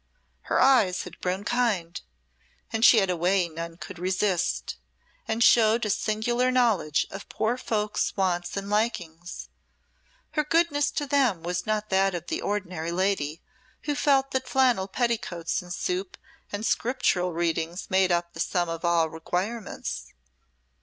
Her eyes had grown kind, and she had a way none could resist, and showed a singular knowledge of poor folks' wants and likings. Her goodness to them was not that of the ordinary lady who felt that flannel petticoats and soup and scriptural readings made up the sum of all requirements.